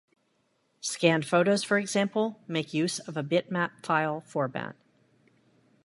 Scanned photos, for example, make use of a bitmap file format.